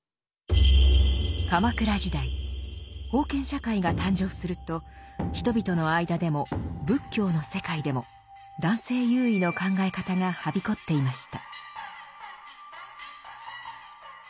鎌倉時代封建社会が誕生すると人々の間でも仏教の世界でも男性優位の考え方がはびこっていました。